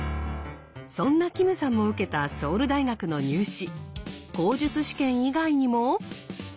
そんなキムさんも受けたソウル大学の入試口述試験以外にも。